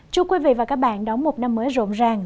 chúc quý vị và các bạn đón một năm mới rộn ràng